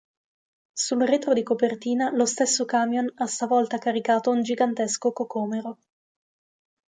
Sul retro di copertina, lo stesso camion ha stavolta caricato un gigantesco cocomero.